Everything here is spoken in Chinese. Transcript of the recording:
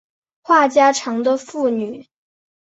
话家常的妇女